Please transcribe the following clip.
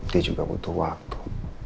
dia juga butuh waktu